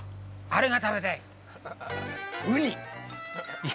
あれが食べたい。